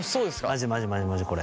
マジマジマジマジこれ。